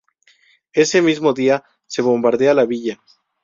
Ese mismo día se bombardea la villa.